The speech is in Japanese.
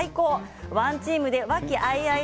ワンチームで和気あいあい